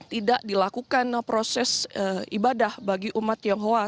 tidak dilakukan proses ibadah bagi umat tionghoa